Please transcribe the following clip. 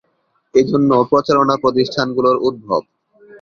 এ জন্য প্রচারণা প্রতিষ্ঠানগুলোর উদ্ভব।